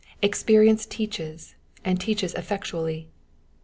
Experience teaches, and teaches effectually.